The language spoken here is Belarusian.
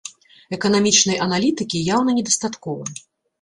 Эканамічнай аналітыкі яўна недастаткова.